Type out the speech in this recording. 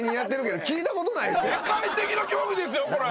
世界的な競技ですよこれ。